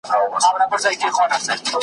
له هغو اوسنیو شعرونو سره .